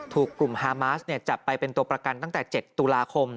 ถูกกลุ่มฮามาสจับไปเป็นตัวประกันตั้งแต่๗ตุลาคม